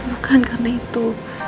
bukan karena itu